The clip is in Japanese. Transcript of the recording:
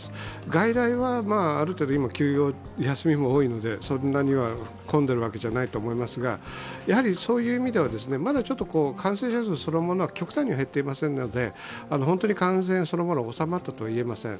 外来はある程度今、休みも多いのでそんなに混んでいるわけじゃないと思いますが、まだ感染者数は極端に減ってはいませんので本当に感染そのものが収まったとは言えません。